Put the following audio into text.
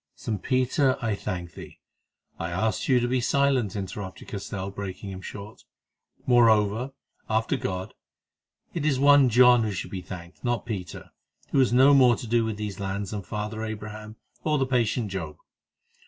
"Saint Peter, I thank thee—" "I asked you to be silent," interrupted Castell, breaking him short. "Moreover, after God, it is one John who should be thanked, not St. Peter, who has no more to do with these lands than Father Abraham or the patient Job.